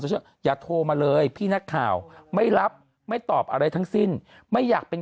เชื่ออย่าโทรมาเลยพี่นักข่าวไม่รับไม่ตอบอะไรทั้งสิ้นไม่อยากเป็น